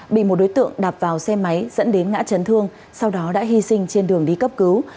bị một đối tượng đạp vào xe máy dẫn đến ngã chấn thương sau đó đã hy sinh trên đường đi cấp cứu